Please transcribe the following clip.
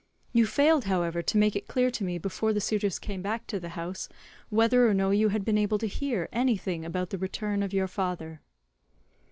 You failed, however, to make it clear to me before the suitors came back to the house, whether or no you had been able to hear anything about the return of your father."